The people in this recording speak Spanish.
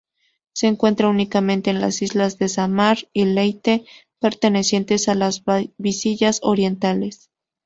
Se encuentra únicamente las islas de Sámar y Leyte, pertenecientes a las Bisayas orientales.